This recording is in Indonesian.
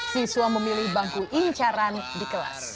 siswa memilih bangku incaran di kelas